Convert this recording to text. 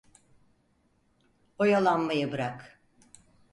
Oyalanmayı bırak.